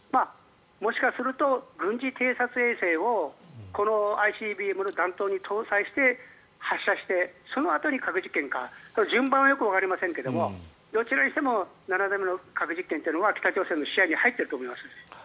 もしかすると軍事偵察衛星をこのＩＣＢＭの弾頭に搭載して発射してそのあとに核実験か順番はよくわかりませんがどちらにしても７度目の核実験というのは北朝鮮の視野に入っていると思いますね。